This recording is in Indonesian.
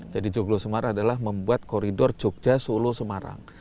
jadi joglo sumar adalah membuat koridor jogja solo sumarang